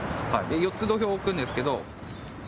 ４つ土俵を置くんですけど。